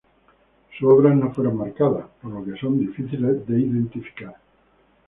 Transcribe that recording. Sus obras no fueron marcadas, por lo que son difíciles de identificar.